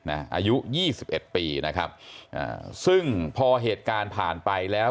อายุ๒๑ปีนะครับซึ่งพอเหตุการณ์ผ่านไปแล้ว